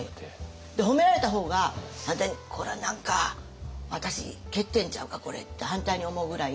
褒められた方が反対に「これは何か私欠点ちゃうか？これ」って反対に思うぐらい。